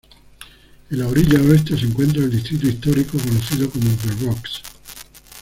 En la orilla oeste se encuentra el distrito histórico conocido como The Rocks.